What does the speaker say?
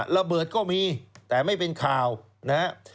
ระเบิดก็มีแต่ไม่เป็นข่าวนะครับ